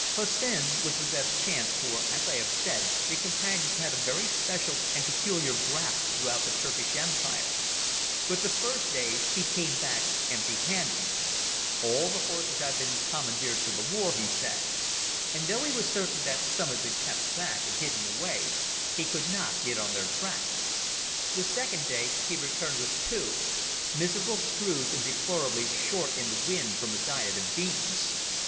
Hussin was the best chance, for, as I have said, the Companions had a very special and peculiar graft throughout the Turkish Empire. But the first day he came back empty handed. All the horses had been commandeered for the war, he said; and though he was certain that some had been kept back and hidden away, he could not get on their track. The second day he returned with two—miserable screws and deplorably short in the wind from a diet of beans.